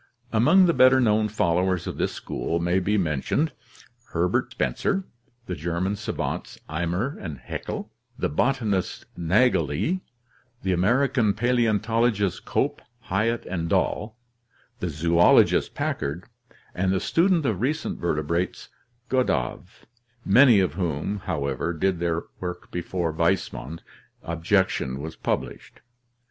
Among the better known followers of this school may be men tioned Herbert Spencer, the German savants Eimer and Haeckel, the botanist Naegeli, the American paleontologists Cope, Hyatt, and Dall, the zoologist Packard, and the student of recent verte brates Gadow, many of whom, however, did their work before Weismann's objection was published.